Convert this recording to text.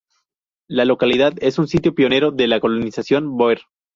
La localidad es un sitio pionero de la colonización bóer.